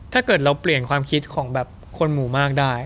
ถ้าเกิดเราเปลี่ยนความคิดของแบบคนหมู่มากได้